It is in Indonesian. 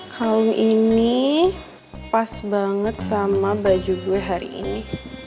kaum ini pas banget sama baju gue hari ini